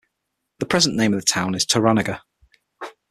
The present name of the town is Taranagar.